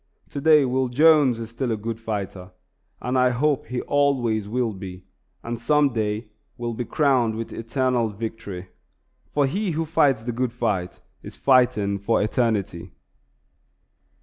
Today Will Jones is still a good fighter, and I hope he always will be, and some day will be crowned with eternal victory; for he who fights the good fight is fighting for eternity.